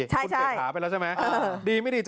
คุณเศรษฐาไปแล้วใช่ไหมดีไม่ดี